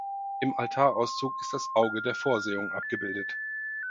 Im Altarauszug ist das Auge der Vorsehung abgebildet.